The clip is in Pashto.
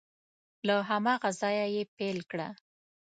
له هماغه ځایه یې پیل کړه